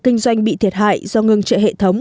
kinh doanh bị thiệt hại do ngừng trợ hệ thống